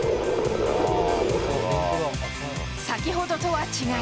先ほどとは違い